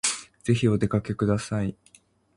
ぜひお出かけください